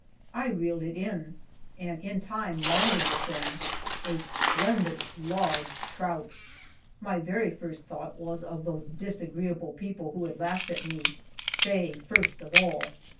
I reeled it in, and in time landed the thing a splendid large trout! My very first thought was of those disagreeable people who had laughed at me Faye first of all.